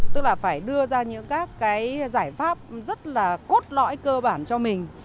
tức là phải đưa ra những các cái giải pháp rất là cốt lõi cơ bản cho mình